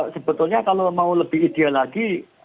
sebetulnya kalau mau lebih ideal lagi